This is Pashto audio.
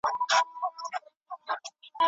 د «برکت» په غږ میینې دي او